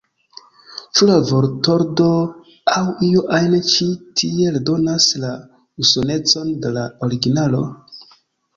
Ĉu la vortordo aŭ io ajn ĉi tie redonas la usonecon de la originalo?